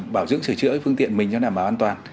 bảo dưỡng sửa chữa phương tiện mình cho đảm bảo an toàn